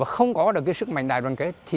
không có được sức mạnh đài đoàn kết